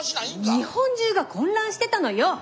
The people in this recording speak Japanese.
日本中が混乱してたのよ！